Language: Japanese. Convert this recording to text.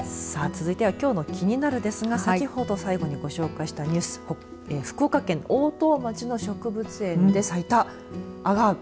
続いてはきょうのキニナル！ですが先ほど最後にご紹介したニュース福岡県大任町の植物園でした。